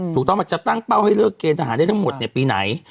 ถูกต้องมันจะตั้งเป้าให้เลิกเกณฑหารได้ทั้งหมดเนี่ยปีไหน